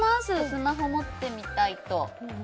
スマホ持ってみたいと。